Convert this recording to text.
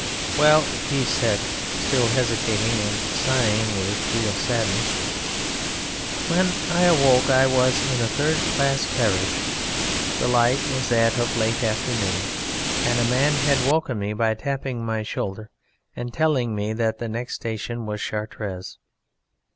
"Well," said he, still hesitating and sighing with real sadness, "when I woke up I was in a third class carriage; the light was that of late afternoon, and a man had woken me by tapping my shoulder and telling me that the next station was Chartres....